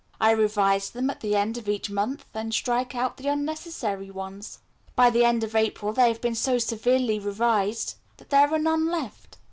I revise them at the end of each month, and strike out the unnecessary ones. By the end of April they have been so severely revised that there are none left."